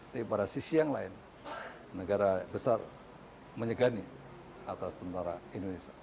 tapi pada sisi yang lain negara besar menyegani atas tentara indonesia